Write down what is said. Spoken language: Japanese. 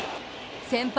先輩